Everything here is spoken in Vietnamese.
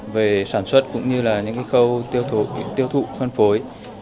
về sản xuất cũng như là những khâu tiêu thụ phân phối